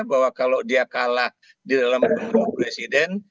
bahwa kalau dia kalah di dalam presiden